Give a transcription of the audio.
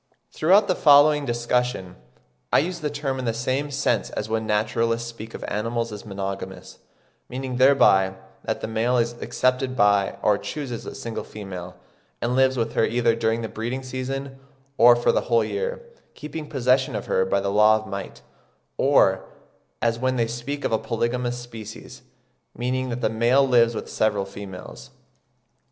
Throughout the following discussion I use the term in the same sense as when naturalists speak of animals as monogamous, meaning thereby that the male is accepted by or chooses a single female, and lives with her either during the breeding season or for the whole year, keeping possession of her by the law of might; or, as when they speak of a polygamous species, meaning that the male lives with several females.